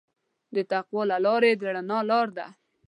د تقوی لاره د رڼا لاره ده.